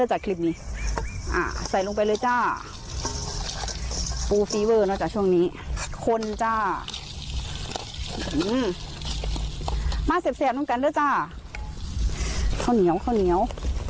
อืมมาเสียบเสียบลงกันด้วยจ้าข้าวเหนียวข้าวเหนียว